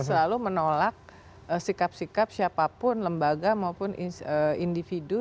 selalu menolak sikap sikap siapapun lembaga maupun individu